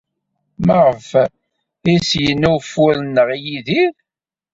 Maɣef ay as-yenna ufur-nneɣ i Yidir?